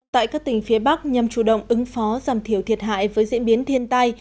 tại các tỉnh phía bắc nhằm chủ động ứng phó giảm thiểu thiệt hại với diễn biến thiên tai